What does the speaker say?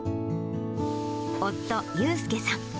夫、雄介さん。